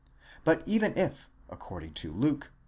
6 But even if, according to Luke (vy.